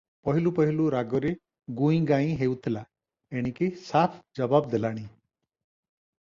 ପହିଲୁ ପହିଲୁ ରାଗରେ ଗୁଇଁ ଗାଇଁ ହେଉଥିଲା, ଏଣିକି ସାଫ ଜବାବ୍ ଦେଲାଣି ।